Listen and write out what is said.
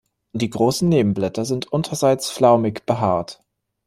Die großen Nebenblätter sind unterseits flaumig behaart.